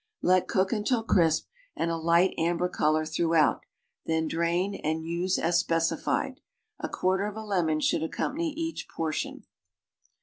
Let cook until crisp and a light amber color throughout, then drain, and use as specified. A quarter of a lemon should accompany each portion.